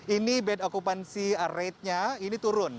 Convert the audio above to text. ini bad occupancy rate nya ini turun